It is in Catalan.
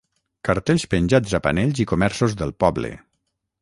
cartells penjats a panells i comerços del poble